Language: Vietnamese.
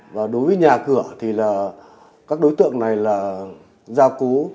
và đối với nhà cửa thì là các đối tượng này là gia cú